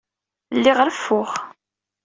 Lliɣ reffuɣ.